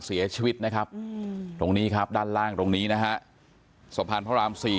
เสียชีวิตนะครับดังล่างตรงนี้ฮะสะพานพระรามสี่